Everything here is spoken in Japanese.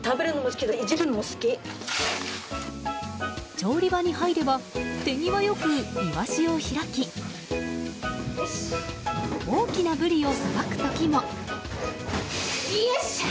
調理場に入れば手際よくイワシを開き大きなブリをさばく時も。